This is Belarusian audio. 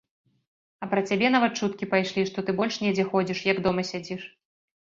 А пра цябе нават чуткі пайшлі, што ты больш недзе ходзіш, як дома сядзіш.